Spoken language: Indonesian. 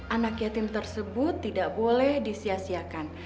anak yatim tersebut tidak boleh disiasiakan